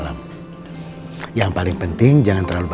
ya mungkin ini berupa perang communications